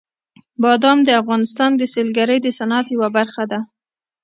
بادام د افغانستان د سیلګرۍ د صنعت یوه برخه ده.